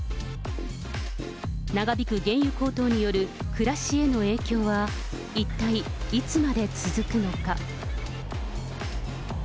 長引く原油高騰による暮らしへの影響は一体いつまで続くのか。